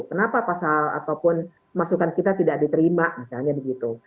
kenapa pasal ataupun masukan kita tidak diterima misalnya begitu